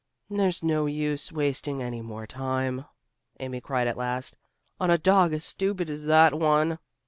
"There's no use wasting any more time," Amy cried at last, "on a dog as stupid as that one."